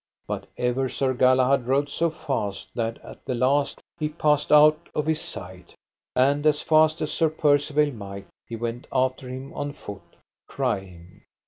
But ever Sir Galahad rode so fast that at the last he passed out of his sight. And as fast as Sir Percivale might he went after him on foot, crying.